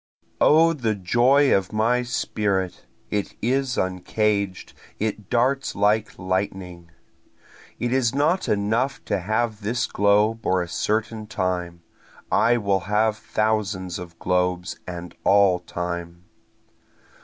O the joy of my spirit it is uncaged it darts like lightning! It is not enough to have this globe or a certain time, I will have thousands of globes and all time.